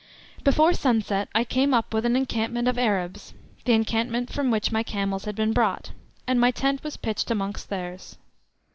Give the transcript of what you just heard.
Before sunset I came up with an encampment of Arabs (the encampment from which my camels had been brought), and my tent was pitched amongst theirs.